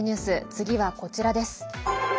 次はこちらです。